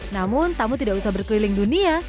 namun tamu tidak usah berkeliling dunia